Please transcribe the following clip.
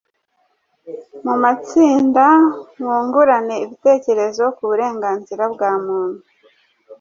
Mu matsinda mwungurane ibitekerezo ku burenganzira bwa muntu